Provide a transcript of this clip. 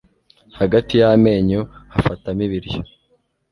hagati y'amenyo hafatamo ibiryo